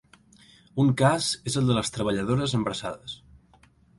Un cas és el de les treballadores embarassades.